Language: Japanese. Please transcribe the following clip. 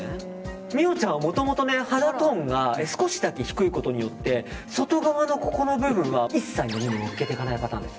美桜ちゃんはもともと肌トーンが少しだけ低いことによって外側の個々の部分は一切のっけていかないパターンです。